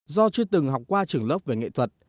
do chưa từng học qua trường lớp về nghệ thuật